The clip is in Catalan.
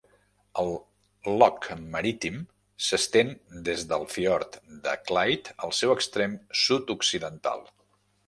El loch marítim s'estén des del fiord de Clyde al seu extrem sud-occidental.